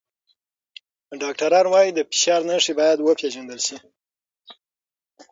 ډاکټران وايي د فشار نښې باید وپیژندل شي.